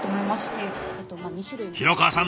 廣川さん